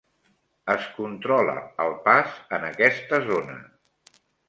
Es controla el pas en aquesta zona.